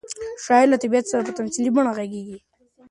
شاعر له طبیعت سره په تمثیلي بڼه غږېږي.